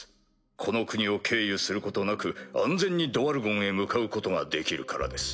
この国を経由することなく安全にドワルゴンへ向かうことができるからです。